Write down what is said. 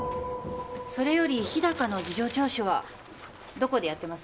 それより日高の事情聴取はどこでやってます？